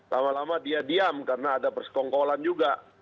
lama lama dia diam karena ada persekongkolan juga